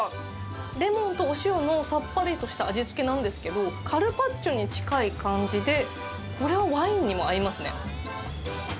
レモンとお塩のさっぱりとした味付けなんですけど、カルパッチョに近い感じで、これはワインにも合いますね。